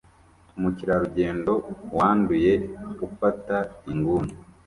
Umukerarugendo wanduye ufata inguni